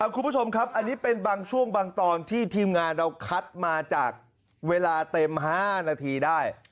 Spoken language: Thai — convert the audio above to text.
คุณผู้ชมครับอันนี้เป็นบางช่วงบางตอนที่ทีมงานเราคัดมาจากเวลาเต็ม๕นาทีได้